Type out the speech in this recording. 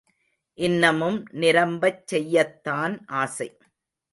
இன்னமும் நிரம்பச் செய்யத்தான் ஆசை.